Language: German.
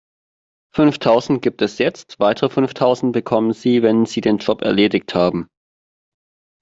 Fünftausend gibt es jetzt, weitere fünftausend bekommen Sie, wenn Sie den Job erledigt haben.